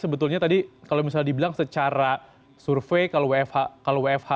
sebetulnya tadi kalau misalnya dibilang secara survei kalau wfh